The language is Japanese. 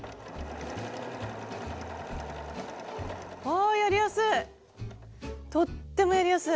あやりやすい！